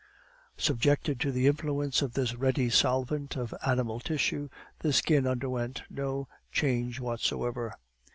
Subjected to the influence of this ready solvent of animal tissue, the skin underwent no change whatsoever.